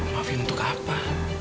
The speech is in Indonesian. maafin untuk apa